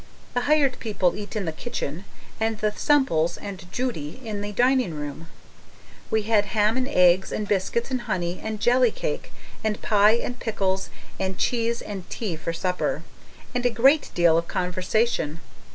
The hired people eat in the kitchen, and the Semples and Judy in the dining room. We had ham and eggs and biscuits and honey and jelly cake and pie and pickles and cheese and tea for supper and a great deal of conversation.